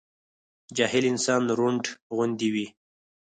جاهل انسان رونډ غوندي وي